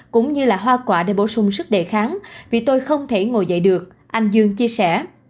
cũng như là hoa quả để bổ sung sức đề kháng vì tôi không thể ngồi dậy được anh dương chia sẻ